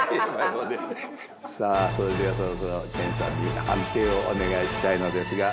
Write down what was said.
さあそれではそろそろ研さんに判定をお願いしたいのですが。